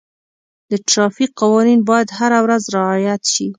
د ټرافیک قوانین باید هره ورځ رعایت شي.